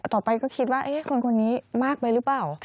ต่อไปก็คิดว่าคนคนนี้มากไปหรือเปล่า